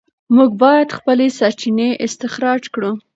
موږ باید خپلې سرچینې استخراج کړو.